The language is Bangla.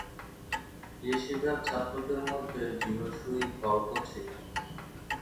ইয়েশিভার ছাত্রদের মধ্যে যিহোশূয় ফল্কও ছিলেন।